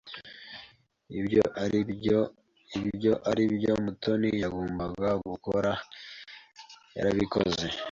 Ibyo aribyo Mutoni yagombaga gukora yarabikoze.